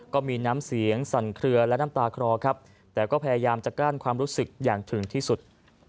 ก็มีน้ำเสียงสั่นเคลือและน้ำตาคลอครับแต่ก็พยายามจะก้านความรู้สึกอย่างถึงที่สุด